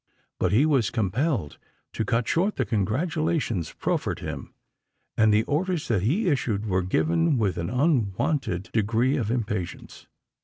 But he was compelled to cut short the congratulations proffered him; and the orders that he issued were given with an unwonted degree of impatience.